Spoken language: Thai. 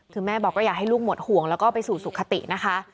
คือแม่บอกก็อยากให้ลูกหมดห่วงแล้วก็ไปสู่สุขตินะคะ